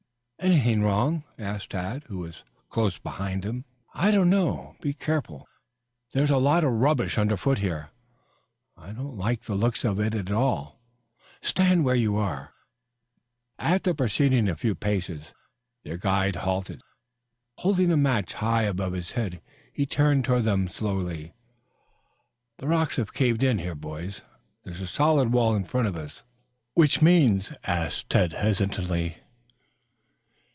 "Anything wrong?" asked Tad, who was close behind him. "I don't know. Be careful. There's a lot of rubbish under foot ahead. I don't like the looks of it at all. Stand where you are." After proceeding a few paces, their guide halted, holding a match high above his head. He turned toward them slowly. "The rocks have caved in, boys. There's a solid wall in front of us." "Which means," asked Tad hesitatingly.